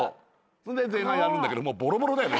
そんで前半やるんだけどもうぼろぼろだよね。